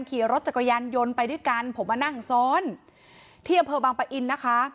ขี่รถจักรยานยนต์ไปด้วยกันผมมานั่งซ้อนที่อำเภอบางปะอินนะคะ